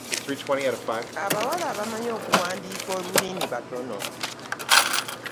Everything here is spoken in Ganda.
Abawala abamanyi okuwandiika olulimu batono.